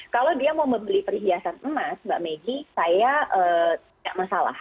kalau dia mau membeli perhiasan emas mbak megi saya nggak masalah